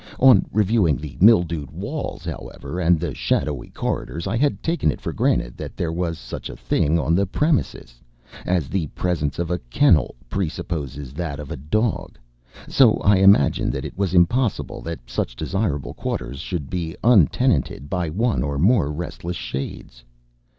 On reviewing the mildewed walls, however, and the shadowy corridors, I had taken it for granted that there was such a thing on the premises. As the presence of a kennel pre supposes that of a dog, so I imagined that it was impossible that such desirable quarters should be untenanted by one or more restless shades.